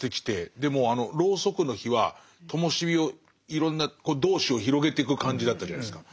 でもあのロウソクの火は灯し火をいろんなこう同志を広げていく感じだったじゃないですか。